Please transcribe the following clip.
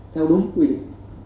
theo đúng quyền